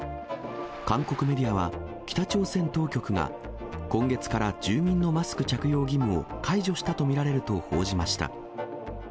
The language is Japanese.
韓国メディアは、北朝鮮当局が今月から住民のマスク着用義務を解除したと見られると報じました。